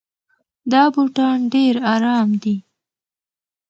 دا بوټان ډېر ارام دي.